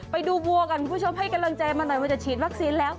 วัวก่อนคุณผู้ชมให้กำลังใจมาหน่อยว่าจะฉีดวัคซีนแล้ว